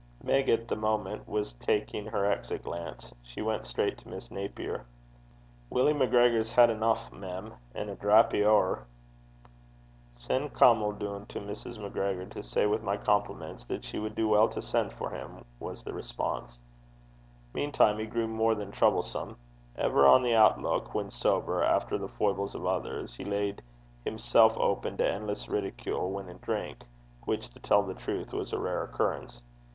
Meg, at the moment, was taking her exit glance. She went straight to Miss Napier. 'Willie MacGregor's had eneuch, mem, an' a drappy ower.' 'Sen' Caumill doon to Mrs. MacGregor to say wi' my compliments that she wad do weel to sen' for him,' was the response. Meantime he grew more than troublesome. Ever on the outlook, when sober, after the foibles of others, he laid himself open to endless ridicule when in drink, which, to tell the truth, was a rare occurrence.